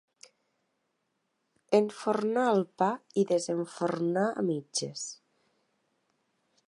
Enfornar el pa i desenfornar a mitges.